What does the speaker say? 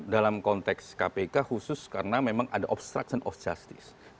dalam konteks kpk khusus karena memang ada obstruction of justice